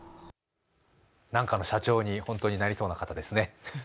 何かの社長に本当になりそうな方ですね。